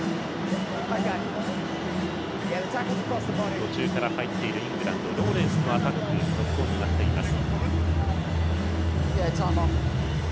途中から入っているイングランドのローレンスのアタックノックオンになっています。